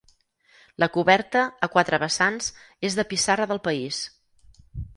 La coberta, a quatre vessants, és de pissarra del país.